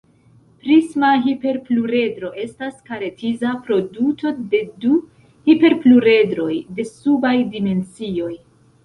Prisma hiperpluredro estas kartezia produto de du hiperpluredroj de subaj dimensioj.